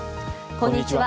こんにちは。